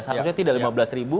seharusnya tidak lima belas ribu